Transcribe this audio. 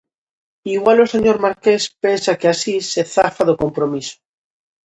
Igual o señor marqués pensa que así se zafa do compromiso!